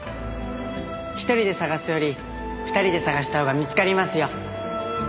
１人で捜すより２人で捜したほうが見つかりますよ。